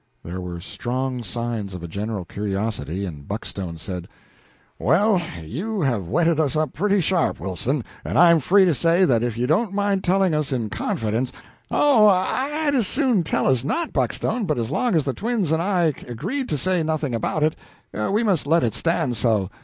There were strong signs of a general curiosity, and Buckstone said "Well, you have whetted us up pretty sharp, Wilson, and I'm free to say that if you don't mind telling us in confidence " "Oh, I'd as soon tell as not, Buckstone, but as long as the twins and I agreed to say nothing about it, we must let it stand so.